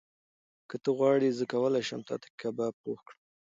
که ته غواړې، زه کولی شم تاته کباب پخ کړم.